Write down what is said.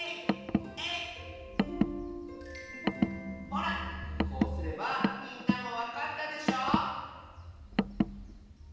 ほらこうすればみんなもわかったでしょ？